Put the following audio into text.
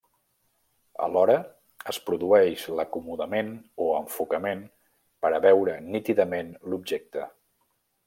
Alhora, es produeix l'acomodament o enfocament per a veure nítidament l'objecte.